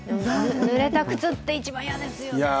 ぬれた靴って一番嫌ですよね。